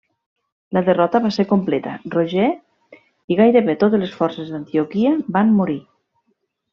La derrota va ser completa, Roger i gairebé totes les forces d'Antioquia van morir.